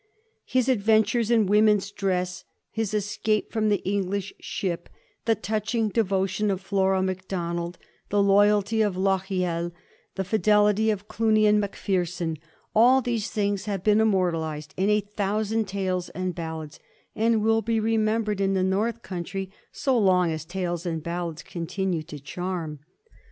His adventures in woman's dress, his escape from the English ship, the touching devotion of Flora Macdonald, the loyalty of Lochiel, the fidelity of Cluny Macpherson — all these things have been immortalized in a thousand tales and ballads, and will be remembered in the North Country so long as tales and ballads continue to charm.